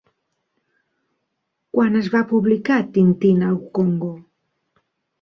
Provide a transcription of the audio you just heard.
Quan es va publicar Tintin au Congo?